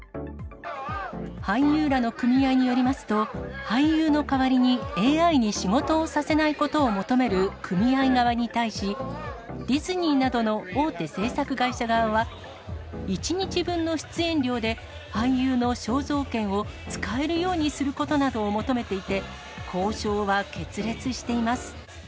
俳優らの組合によりますと、俳優の代わりにＡＩに仕事をさせないことを求める組合側に対し、ディズニーなどの大手製作会社側は、１日分の出演料で、俳優の肖像権を使えるようにすることなどを求めていて、交渉は決裂しています。